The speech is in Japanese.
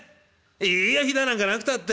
いいやひだなんかなくたって！